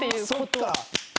そっか。